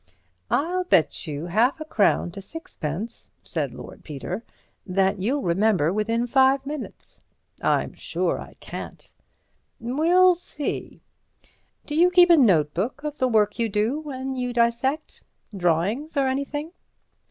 "I'll bet you half a crown to sixpence," said Lord Peter, "that you'll remember within five minutes." "I'm sure I can't." "We'll see. Do you keep a notebook of the work you do when you dissect? Drawings or anything?"